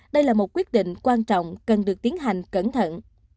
đây là một quyết định quan trọng cần được tiến hành cẩn thận